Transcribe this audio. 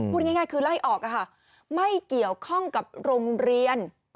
พูดง่ายคือไล่ออกไม่เกี่ยวข้องกับโรงเรียน